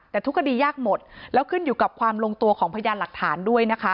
แต่ทุกคดียากหมดแล้วขึ้นอยู่กับความลงตัวของพยานหลักฐานด้วยนะคะ